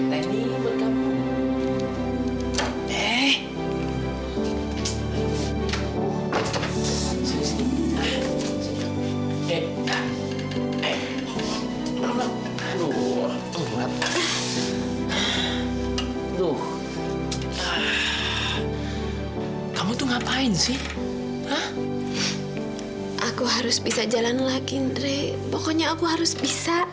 pokoknya aku harus bisa